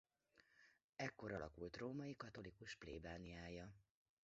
Ekkor alakult római katolikus plébániája.